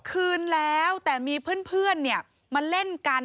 คืนแล้วแต่มีเพื่อนมาเล่นกัน